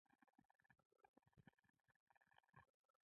دښمن د زیان تمه لري